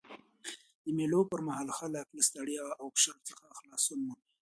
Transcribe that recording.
د مېلو پر مهال خلک له ستړیا او فشار څخه خلاصون مومي.